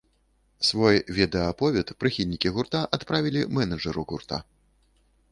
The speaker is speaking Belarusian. Свой відэааповед прыхільнікі гурта адправілі мэнэджару гурта.